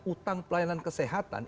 utang pelayanan kesehatan